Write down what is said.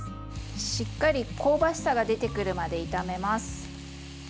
しっかり香ばしさが出てくるまで炒めます。